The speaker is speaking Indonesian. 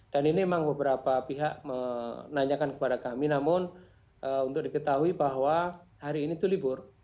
dan ini memang beberapa pihak menanyakan kepada kami namun untuk diketahui bahwa hari ini itu libur